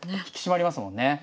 引き締まりますもんね。